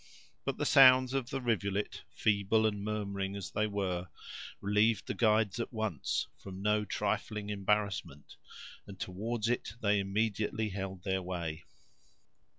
But the sounds of the rivulet, feeble and murmuring as they were, relieved the guides at once from no trifling embarrassment, and toward it they immediately held their way.